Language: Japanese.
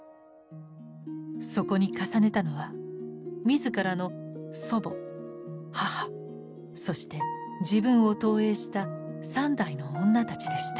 そこに重ねたのは自らの祖母母そして自分を投影した三代の女たちでした。